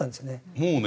もうね